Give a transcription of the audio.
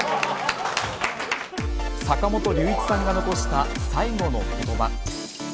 坂本龍一さんが残した最後のことば。